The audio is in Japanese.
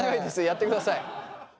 やってください。